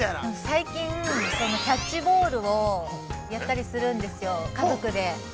◆最近、キャッチボールをやったりするんですよ、家族で。